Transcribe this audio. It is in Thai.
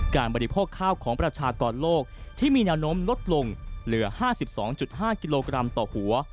บริโภคข้าวของประชากรโลกที่มีแนวโน้มลดลงเหลือ๕๒๕กิโลกรัมต่อหัว